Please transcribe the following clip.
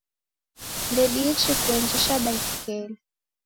Ndediichi kuenjesha baiskili